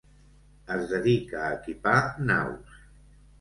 Es dedica a equipar naus.